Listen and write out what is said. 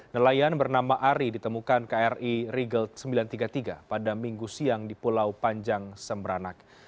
nelayan bernama ari ditemukan kri rigelt sembilan ratus tiga puluh tiga pada minggu siang di pulau panjang semberanak